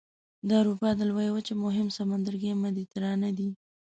د اروپا د لویې وچې مهم سمندرګی مدیترانه دی.